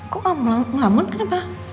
kok ngelamun kenapa